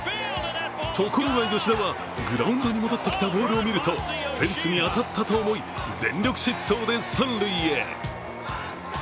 ところが、吉田はグラウンドに戻ってきたボールを見るとフェンスに当たったと思い全力疾走で三塁へ。